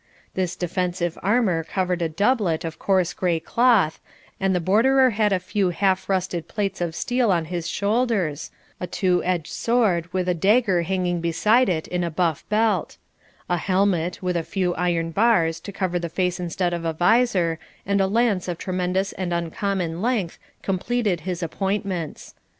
This defensive armour covered a doublet of coarse grey cloth, and the Borderer had a few half rusted plates of steel on his shoulders, a two edged sword, with a dagger hanging beside it, in a buff belt; a helmet, with a few iron bars, to cover the face instead of a visor, and a lance of tremendous and uncommon length, completed his appointments.